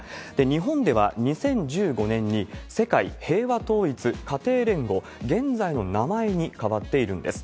日本では２０１５年に、世界平和統一家庭連合、現在の名前に変わっているんです。